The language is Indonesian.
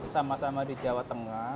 sama sama di jawa tengah